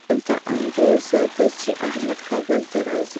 دلته انګروزه ده چې احمد کابل ته راځي.